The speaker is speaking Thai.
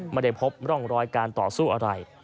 ไม่ได้พบร่องรอยการต่อสู้อะไร